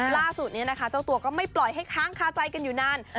ล่าสุดนี้นะคะเจ้าตัวก็ไม่ปล่อยให้ค้างคาใจกันอยู่นาน